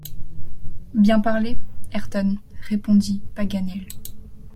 Bien parlé, Ayrton, répondit Paganel.